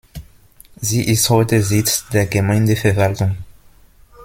Sie ist heute Sitz der Gemeindeverwaltung.